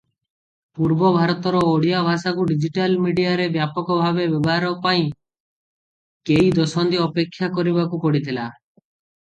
ପୂର୍ବ ଭାରତର ଓଡ଼ିଆ ଭାଷାକୁ ଡିଜିଟାଲ ମିଡିଆରେ ବ୍ୟାପକ ଭାବେ ବ୍ୟବହାର ହେବା ପାଇଁ କେଇ ଦଶନ୍ଧି ଅପେକ୍ଷା କରିବାକୁ ପଡ଼ିଥିଲା ।